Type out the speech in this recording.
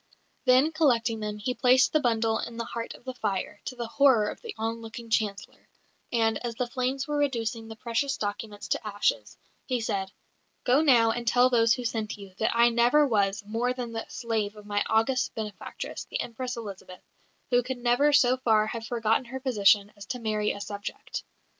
Then, collecting them, he placed the bundle in the heart of the fire, to the horror of the onlooking Chancellor; and, as the flames were reducing the precious documents to ashes, he said, "Go now and tell those who sent you, that I never was more than the slave of my august benefactress, the Empress Elizabeth, who could never so far have forgotten her position as to marry a subject."